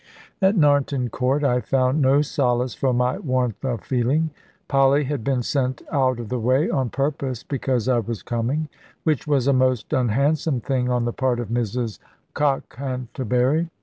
At Narnton Court I found no solace for my warmth of feeling. Polly had been sent out of the way, on purpose, because I was coming; which was a most unhandsome thing on the part of Mrs Cockhanterbury.